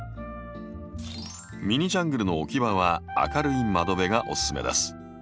ミニジャングルの置き場は明るい窓辺がおすすめです。